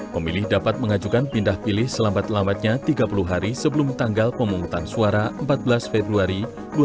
pemilih dapat mengajukan pindah pilih selamat lamatnya tiga puluh hari sebelum tanggal pemungutan suara empat belas februari dua ribu dua puluh empat